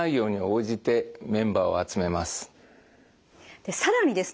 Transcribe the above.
で更にですね